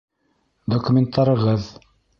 Документтарығыҙ!